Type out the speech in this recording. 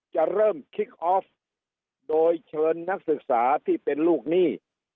จะเริ่มคิกออฟโดยเชิญนักศึกษาที่เป็นลูกหนี้